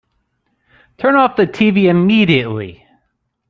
Turn off the tv immediately!